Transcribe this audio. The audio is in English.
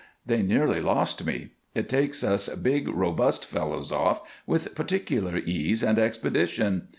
They nearly lost me. It takes us big, robust fellows off with particular ease and expedition.